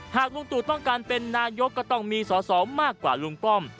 หากลุงตู่ต้องการเป็นนายกก็ต้องมีสอสอมากกว่าลุงป้อม